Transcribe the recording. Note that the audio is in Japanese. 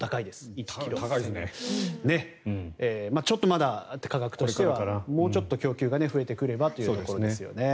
１ｋｇでちょっと価格としてはもうちょっと供給が増えてくればというところです。